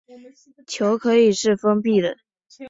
球可以是封闭的。